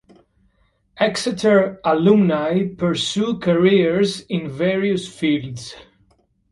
Exeter alumni pursue careers in various fields.